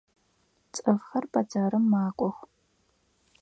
Цӏыфхэр бэдзэрым макӏох.